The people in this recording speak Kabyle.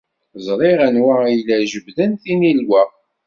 Ẓriɣ anwa ay la ijebbden tinelwa.